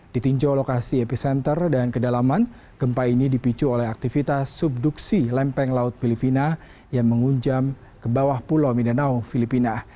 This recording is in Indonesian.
ditinjau lokasi epicenter dan kedalaman gempa ini dipicu oleh aktivitas subduksi lempeng laut filipina yang mengunjam ke bawah pulau minau filipina